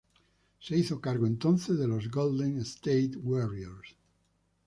Se hizo cargo entonces de los Golden State Warriors.